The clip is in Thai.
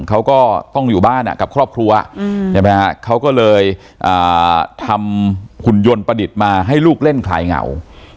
เขาก็ต้องอยู่บ้านกับครอบครัวใช่ไหมฮะเขาก็เลยทำหุ่นยนต์ประดิษฐ์มาให้ลูกเล่นคลายเหงา